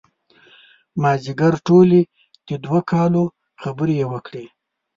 تر مازدیګر ټولې د دوه کالو خبرې یې وکړې.